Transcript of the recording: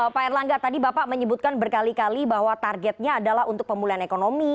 pak erlangga tadi bapak menyebutkan berkali kali bahwa targetnya adalah untuk pemulihan ekonomi